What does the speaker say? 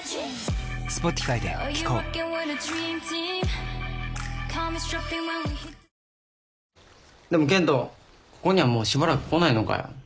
「ハミングフレア」でも健人ここにはもうしばらく来ないのかよ。